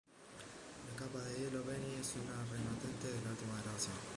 La Capa de Hielo Penny es un remanente de la última glaciación.